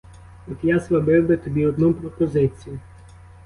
От я зробив би тобі одну пропозицію.